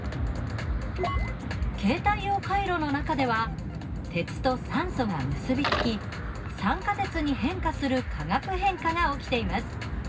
携帯用カイロの中では鉄と酸素が結び付き酸化鉄に変化する化学変化が起きています。